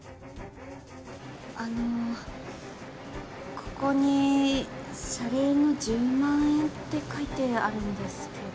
あのここに「謝礼の１０万円」って書いてあるんですけど。